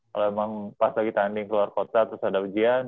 kalau emang pas lagi tanding keluar kota terus ada ujian